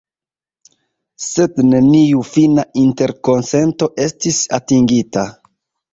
Sed neniu fina interkonsento estis atingita.